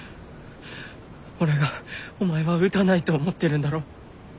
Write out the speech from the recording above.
俺がお前は撃たないと思ってるんだろう。